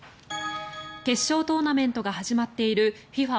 決勝トーナメントが始まっているＦＩＦＡ